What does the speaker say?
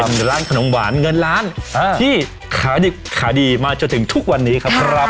หรือร้านขนมหวานเงินล้านที่ขายดิบขายดีมาจนถึงทุกวันนี้ครับ